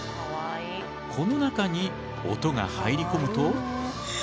この中に音が入り込むと。